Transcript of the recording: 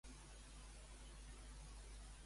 Qui són els Wends?